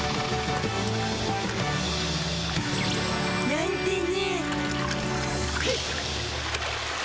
なんてね。